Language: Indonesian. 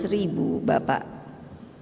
yang enam belas ribu itu adalah per research